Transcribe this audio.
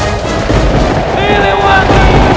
aku akan menangkapmu